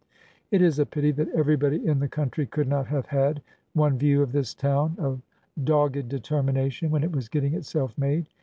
It is a pity that everybody in the country could not have had one view of this town of dogged determination when it was getting itself made!